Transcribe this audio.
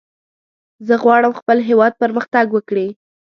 زه غواړم خپل هېواد پرمختګ وکړي.